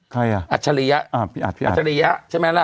ใครอ่ะอัดฉริยะอัดฉริยะใช่ไหมล่ะ